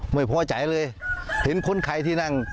ไม่พอใจเลยเห็นคนไทยที่นั่ง